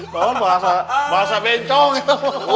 bapaknya bahasa bencong gitu